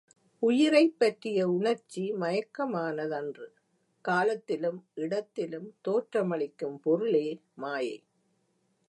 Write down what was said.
உயிரைப் பற்றிய உணர்ச்சி மயக்கமானதன்று, காலத்திலும் இடத்திலும் தோற்றமளிக்கும் பொருளே மாயை.